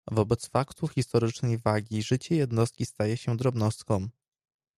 "Wobec faktów historycznej wagi życie jednostki staje się drobnostką."